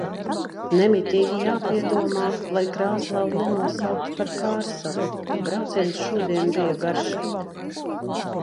Nemitīgi jāpiedomā, lai Krāslavu nenosauktu par Kārsavu. Brauciens šodien bija garš.